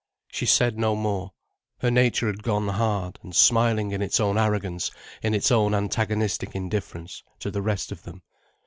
She said no more. Her nature had gone hard and smiling in its own arrogance, in its own antagonistic indifference to the rest of them.